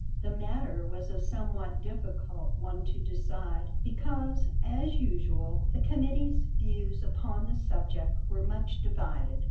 The matter was a somewhat difficult one to decide, because, as usual, the committee's views upon the subject were much divided.